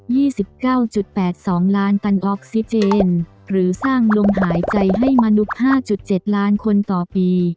ี่สิบเก้าจุดแปดสองล้านตันออกซิเจนหรือสร้างลมหายใจให้มนุษย์ห้าจุดเจ็ดล้านคนต่อปี